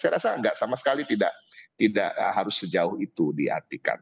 saya rasa sama sekali tidak harus sejauh itu diartikan